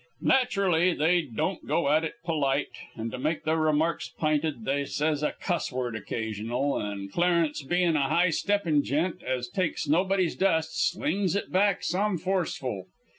"Naturally, they don't go at it polite, and to make their remarks p'inted they says a cuss word occasional, and Clarence, bein' a high steppin' gent as takes nobody's dust, slings it back some forceful.